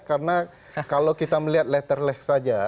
karena kalau kita melihat leterleh saja